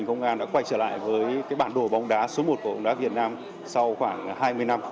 công an đã quay trở lại với bản đồ bóng đá số một của bóng đá việt nam sau khoảng hai mươi năm